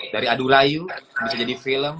dari adulayu bisa jadi film